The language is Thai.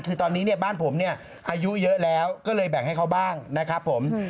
คือตอนนี้เนี่ยบ้านผมเนี่ยอายุเยอะแล้วก็เลยแบ่งให้เขาบ้างนะครับผม